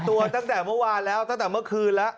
ตั้งแต่เมื่อวานแล้วตั้งแต่เมื่อคืนแล้ว